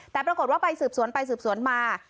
แต่ปรากฏว่าไปสืบสวนไปสืบสวนมา